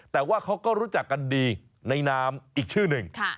แต่ว่าเขาก็รู้จักกันดีในนามอีกชื่อหนึ่ง